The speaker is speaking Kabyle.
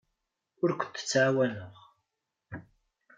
Ur kent-ttɛawaneɣ.